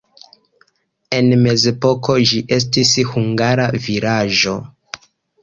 En mezepoko ĝi estis hungara vilaĝo.